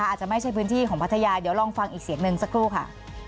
อาจจะไม่ใช่พื้นที่ของพัทยาเดี๋ยวลองฟังอีกเสียงหนึ่งสักครู่ค่ะ